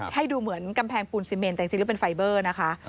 ให้ดูเหมือนกำแพงปูนซีเมนแต่จริงแล้วเป็นไฟเบอร์นะคะ